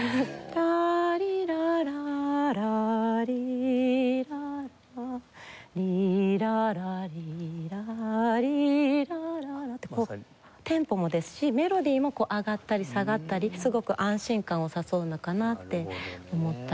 「ターリララーラーリーララ」「リーララリーラーリーラララ」ってこうテンポもですしメロディも上がったり下がったりすごく安心感を誘うのかなって思ったりします。